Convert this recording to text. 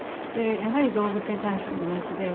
やはり動物に対しても同じで。